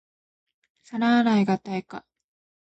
皿洗いが対価